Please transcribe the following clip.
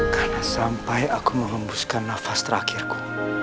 karena sampai aku melembuskan nafas terakhirku